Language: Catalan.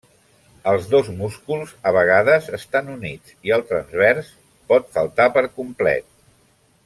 Els dos músculs, a vegades estan units, i el transvers pot faltar per complet.